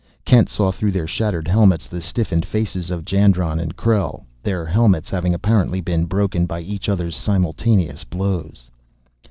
Kent saw through their shattered helmets the stiffened faces of Jandron and Krell, their helmets having apparently been broken by each other's simultaneous blows.